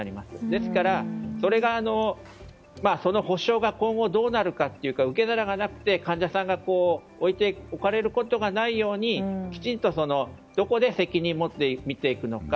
ですから、その保証が今後、どうなるかというか受け皿がなくて、患者さんが置いておかれることがないようにきちんと、どこで責任をもって診ていくのか。